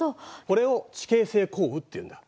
これを地形性降雨っていうんだ。